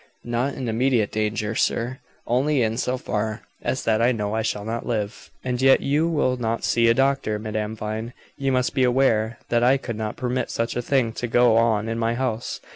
"Not in immediate danger, sir; only in so far as that I know I shall not live." "And yet you will not see a doctor. Madame Vine, you must be aware that I could not permit such a thing to go on in my house.